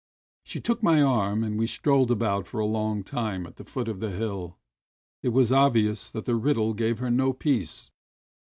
She took my arm and we strolled about for a long time at the foot of the hill. It was obvious that the riddle gave her no peace.